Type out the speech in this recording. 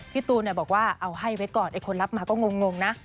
พี่ตูนบอกว่าเอาให้ไว้ก่อนไอ้คนรับมาก็งงนะ